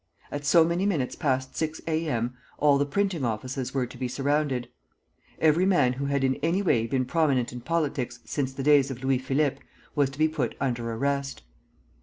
At so many minutes past six A. M. all the printing offices were to be surrounded. Every man who had in any way been prominent in politics since the days of Louis Philippe was to be put under arrest.